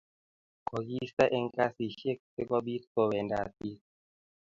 kokiista eng kazishiek siko bit kowendat bik